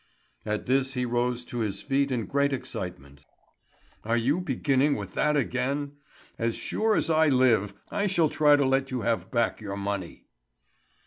At this he rose to his feet in great excitement. "Are you beginning with that again? As sure as I live, I shall try to let you have back your money."